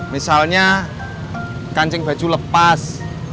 misalnya kancing baju lepas